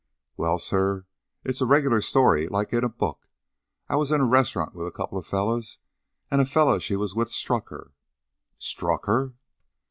"Well, sir, it's a regular story, like in a book. I was in a restaurant with a coupla fellers an' a feller she was with struck her " "Struck her?"